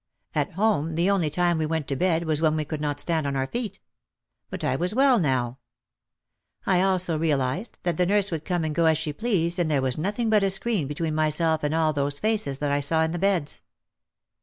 At home the only time we went to bed was when we could not stand on our feet. But I was well now. I also realised that the nurse could come and go as she pleased and there was nothing but a screen between myself and all those faces that I saw in the beds.